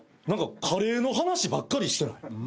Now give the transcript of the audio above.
何かカレーの話ばっかりしてない？